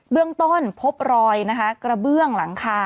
เรื่องต้นพบรอยนะคะกระเบื้องหลังคา